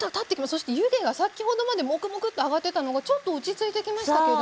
そして湯気が先ほどまでもくもくっと上がってたのがちょっと落ち着いてきましたけれども。